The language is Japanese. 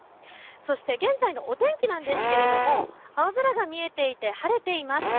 そして現在のお天気なんですけれど青空が見えていて晴れています。